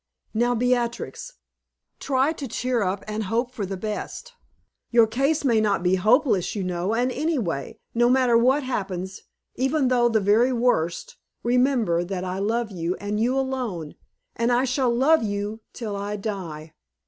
Now, Beatrix, try to cheer up and hope for the best. Your case may not be hopeless, you know, and anyway no matter what happens even though the very worst, remember that I love you and you alone, and I shall love you till I die.